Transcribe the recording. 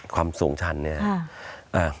ความสูงชันนะครับ